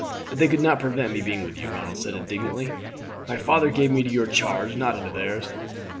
"But they could nor prevent my being with you," Ronald said indignantly. "My father gave me into your charge, not into theirs."